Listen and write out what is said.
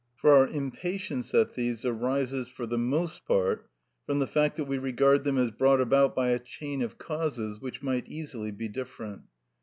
For our impatience at these arises for the most part from the fact that we regard them as brought about by a chain of causes which might easily be different.